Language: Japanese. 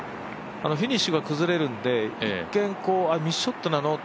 フィニッシュが崩れるんで一見ミスショットなの？